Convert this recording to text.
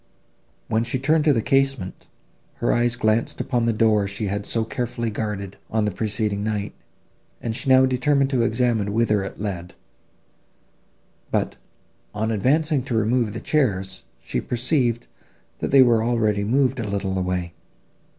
When she turned from the casement, her eyes glanced upon the door she had so carefully guarded, on the preceding night, and she now determined to examine whither it led; but, on advancing to remove the chairs, she perceived, that they were already moved a little way.